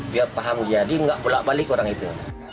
biar paham jadi nggak pulak balik orang itu